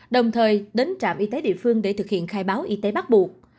đồng thời đến trạm y tế địa phương để thực hiện khai báo y tế bắt buộc